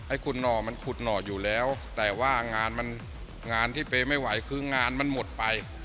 ขุดหน่อมันขุดหน่ออยู่แล้วแต่ว่างานมันงานที่เปย์ไม่ไหวคืองานมันหมดไป